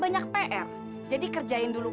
banyak pr jadi kerjain dulu